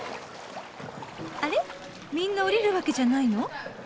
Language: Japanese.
あれみんな降りるわけじゃないの？